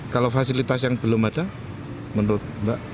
kalau fasilitas yang belum ada menurut mbak